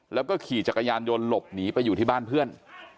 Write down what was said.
แล้วก็ขี่จักรยานยนต์หลบหนีไปอยู่ที่บ้านเพื่อน